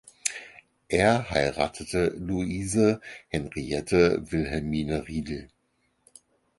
Er heiratete Luise Henriette Wilhelmine Riedel.